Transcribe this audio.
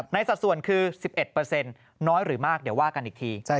สัดส่วนคือ๑๑น้อยหรือมากเดี๋ยวว่ากันอีกที